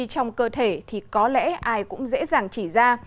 trong cơ thể thì có lẽ ai cũng dễ dàng chỉ ra